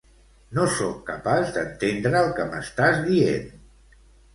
No soc capaç d'entendre el que m'estàs dient.